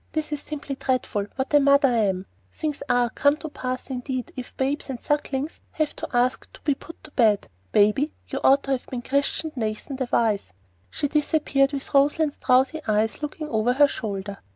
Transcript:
"This is simply dreadful! what a mother I am! Things are come to a pass indeed, if babes and sucklings have to ask to be put to bed. Baby, you ought to have been christened Nathan the Wise." She disappeared with Roslein's drowsy eyes looking over her shoulder.